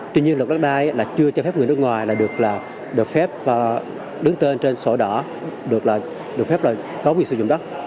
tuy nhiên lực đất đai là chưa cho phép người nước ngoài được phép đứng tên trên sổ đỏ được phép có quyền sử dụng đất